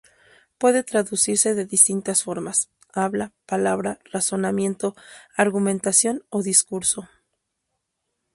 Puede traducirse de distintas formas: habla, palabra, razonamiento, argumentación o discurso.